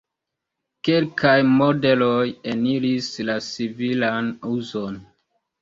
Kelkaj modeloj eniris la civilan uzon.